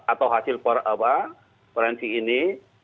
atau hasil forensik ini